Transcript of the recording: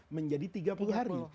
menjadi tiga puluh hari